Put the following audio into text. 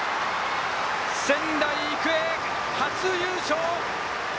仙台育英初優勝。